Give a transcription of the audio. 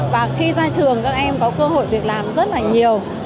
và khi ra trường các em có cơ hội việc làm rất là nhiều